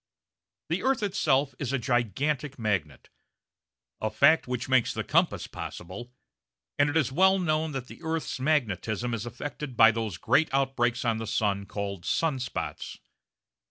The earth itself is a gigantic magnet, a fact which makes the compass possible, and it is well known that the earth's magnetism is affected by those great outbreaks on the sun called sun spots.